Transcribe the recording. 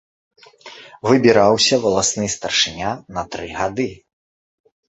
Выбіраўся валасны старшыня на тры гады.